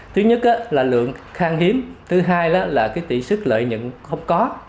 thứ nhất là lượng khang hiếm thứ hai là tỷ sức lợi nhận không có